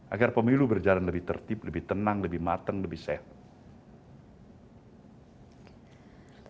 agar pemilu berjalan lebih tertib lebih tenang lebih mateng lebih sehat